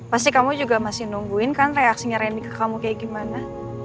pasti kamu juga masih nungguin kan reaksinya randy ke kamu kayak gimana